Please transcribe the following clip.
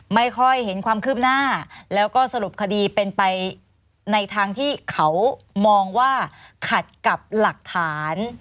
ไม่ค่อยเห็นความคืบหน้าแล้วก็สรุปคดีเป็นไปในทางที่เขามองว่าขัดกับหลักฐาน